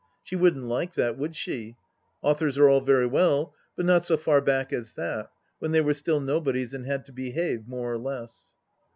She wouldn't like that, would she ? Authors are all very well, but not so far back as that, when they were still nobodys and had to behave, more or less.